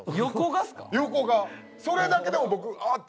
それだけでも僕あっ！